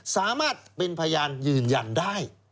สามารถเป็นพยานยืนยันได้